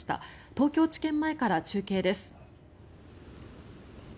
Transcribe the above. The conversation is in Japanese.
東京地検前から中継です。